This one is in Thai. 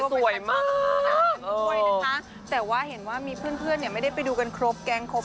สวยมากค่ะแต่ว่าเห็นว่ามีเพื่อนเนี่ยไม่ได้ไปดูกันครบแกงครบ